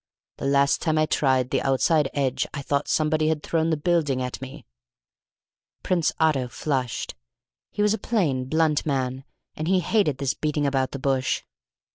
The last time I tried the outside edge I thought somebody had thrown the building at me." Prince Otto flushed. He was a plain, blunt man, and he hated this beating about the bush.